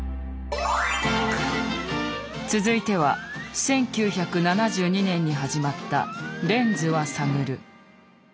続いては１９７２年に始まった「レンズはさぐる」。